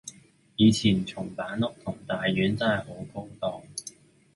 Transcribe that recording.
以前松板屋同大丸真係好高檔